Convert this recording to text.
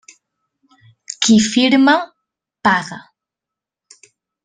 Qui firma, paga.